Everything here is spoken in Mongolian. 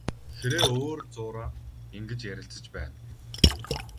Хэрээ өөр зуураа ингэж ярилцаж байна.